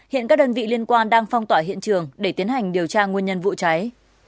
hiện các đơn vị liên quan đang phong tỏa hiện trường để tiến hành điều tra nguyên nhân vụ cháy